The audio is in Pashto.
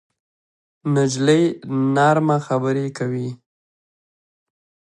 نجلۍ نرمه خبرې کوي.